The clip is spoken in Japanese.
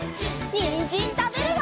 にんじんたべるよ！